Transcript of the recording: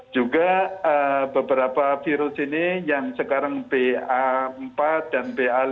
juga beberapa virus ini yang sekarang ba empat dan ba lima